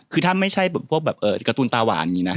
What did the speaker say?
คือถ้าไม่ใช่พวกแบบการ์ตูนตาหวานอย่างนี้นะ